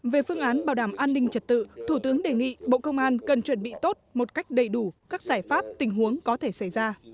về phương án bảo đảm an ninh trật tự thủ tướng đề nghị bộ công an cần chuẩn bị tốt một cách đầy đủ các giải pháp tình huống có thể xảy ra